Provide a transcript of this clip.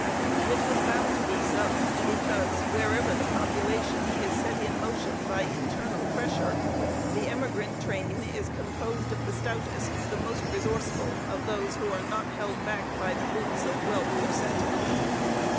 It was bound to be so, because, wherever the population is set in motion by internal pressure, the emigrant train is composed of the stoutest, the most resourceful of those who are not held back by the roots of wealth or sentiment.